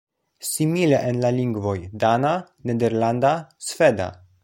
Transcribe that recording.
Simile en la lingvoj dana, nederlanda, sveda.